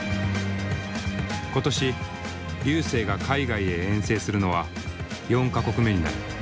今年瑠星が海外へ遠征するのは４か国目になる。